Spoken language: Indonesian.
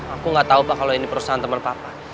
aku gak tau pak kalo ini perusahaan temen papa